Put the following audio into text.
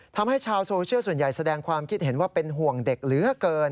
ทำให้ชาวโซเชียลส่วนใหญ่แสดงความคิดเห็นว่าเป็นห่วงเด็กเหลือเกิน